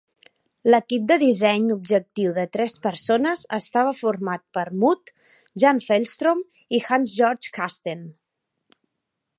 L'equip de disseny objectiu de tres persones estava format per Muth, Jan Fellstrom i Hans-Georg Kasten.